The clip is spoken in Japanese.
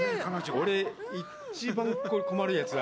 俺、一番、これ、困るやつだ。